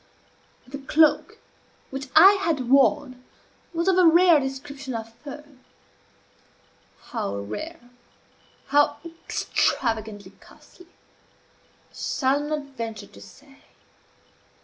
The cloak which I had worn was of a rare description of fur; how rare, how extravagantly costly, I shall not venture to say.